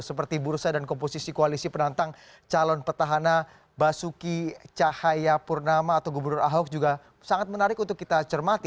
seperti bursa dan komposisi koalisi penantang calon petahana basuki cahaya purnama atau gubernur ahok juga sangat menarik untuk kita cermati